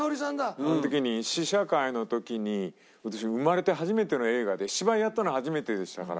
あの時に試写会の時に私生まれて初めての映画で芝居やったのが初めてでしたから。